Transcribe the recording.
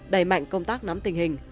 đẩy mạnh công tác nắm tình hình